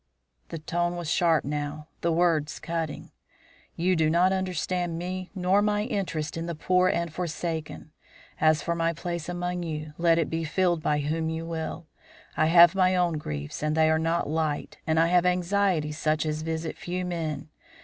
The tone was sharp now, the words cutting. "You do not understand me nor my interest in the poor and forsaken. As for my place among you, let it be filled by whom you will. I have my own griefs, and they are not light, and I have anxieties such as visit few men.